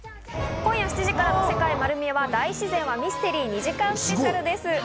今夜７時からの『世界まる見え！』は大自然はミステリー２時間スペシャルです。